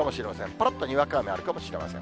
ぱらっとにわか雨あるかもしれません。